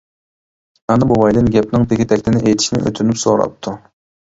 ئانا بوۋايدىن گەپنىڭ تېگى-تەكتىنى ئېيتىشنى ئۆتۈنۈپ سوراپتۇ.